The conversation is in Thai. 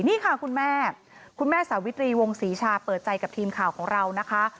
นี่ค่ะคุณแม่คุณแม่สาวิตรีวงศรีชาเปิดใจกับทีมข่าวของเรานะคะ